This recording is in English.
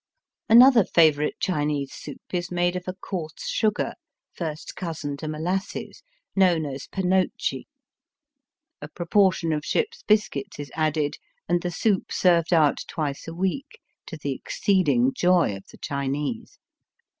Another favourite Chinese soup is made of a coarse sugar, first cousin to molasses, known as panoche. A proportion of ship's biscuits is added, and the soup served out twice a week, to the exceeding joy of the Chinese.